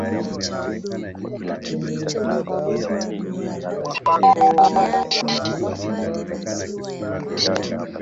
taarifa zinaweza kuwa za kufurahisha na kuchekesha